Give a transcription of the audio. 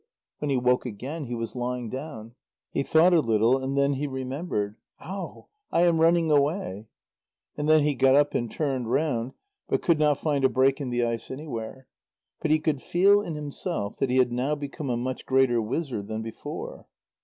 When he woke again, he was lying down. He thought a little, and then he remembered. "Au: I am running away!" And then he got up and turned round, but could not find a break in the ice anywhere. But he could feel in himself that he had now become a much greater wizard than before.